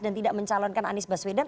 dan tidak mencalonkan anies baswedan